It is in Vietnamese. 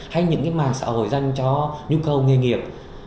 hay những cái mạng xã hội dành cho nhu cầu nghề nghiệp